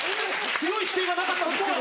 強い否定はなかったですけど。